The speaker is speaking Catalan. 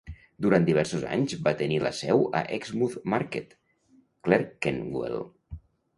Durant diversos anys va tenir la seu a Exmouth Market, Clerkenwell.